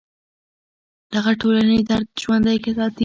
دغه ټولنې دود ژوندی ساتي.